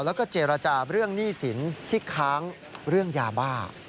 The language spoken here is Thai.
แล้วก็เจรจาเรื่องหนี้สินที่ค้างเรื่องยาบ้า